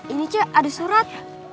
ini c ada surat